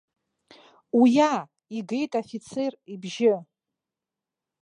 Уиа, игеит афицер ибжьы.